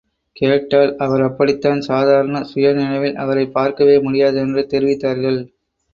கேட்டால் அவர் அப்படித்தான் சாதாரண சுயநினைவில் அவரைப் பார்க்கவே முடியாது என்று தெரிவித்தார்கள்.